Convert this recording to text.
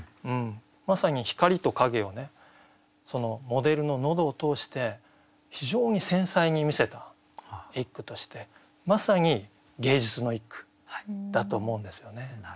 まさに光と影をモデルの喉を通して非常に繊細に見せた一句としてまさに芸術の一句だと思うんですよね。